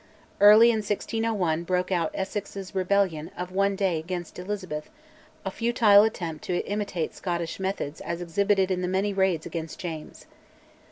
Early in 1601 broke out Essex's rebellion of one day against Elizabeth, a futile attempt to imitate Scottish methods as exhibited in the many raids against James.